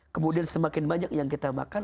kemudian semakin banyak yang kita makan